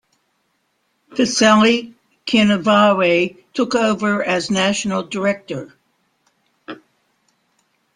Peceli Kinivuwai took over as National Director.